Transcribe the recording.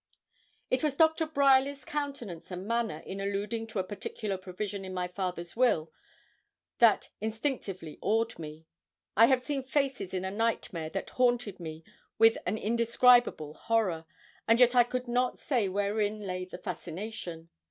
It was Doctor Bryerly's countenance and manner in alluding to a particular provision in my father's will that instinctively awed me. I have seen faces in a nightmare that haunted me with an indescribable horror, and yet I could not say wherein lay the fascination.